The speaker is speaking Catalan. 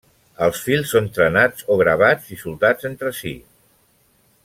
Els fils són trenats o gravats i soldats entre si.